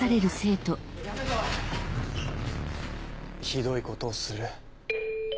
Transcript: ひどいことをする。